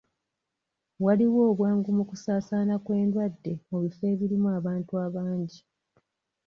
Waliwo obwangu mu kusaasaana kw'endwadde mu bifo ebirimu abantu abangi.